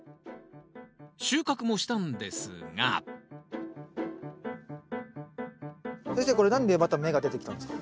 収穫もしたんですが先生これ何でまた芽が出てきたんですか？